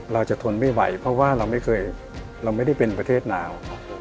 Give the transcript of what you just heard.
เราจะทนไม่ไหวเพราะว่าเราไม่เคยเราไม่ได้เป็นประเทศหนาว